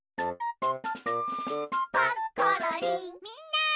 みんな！